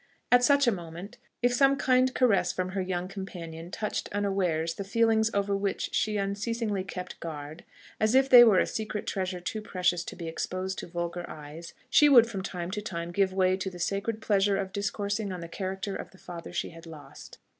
At such a moment, if some kind caress from her young companion touched unawares the feelings over which she unceasingly kept guard, as if they were a secret treasure too precious to be exposed to vulgar eyes, she would from time to time give way to the sacred pleasure of discoursing on the character of the father she had lost.